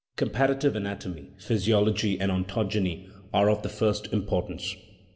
Compar ative anatomy, physiology, and ontogeny are of the first importance.